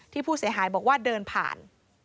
ผู้เสียหายบอกว่าเดินผ่าน